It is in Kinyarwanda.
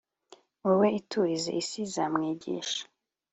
Wowe iturize isi izamwigisha